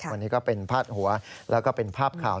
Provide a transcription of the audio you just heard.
วันนี้ก็เป็นพาดหัวแล้วก็เป็นภาพข่าว